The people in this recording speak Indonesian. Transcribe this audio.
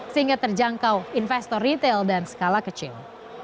sehingga terjangkau investor retail dan skala kecil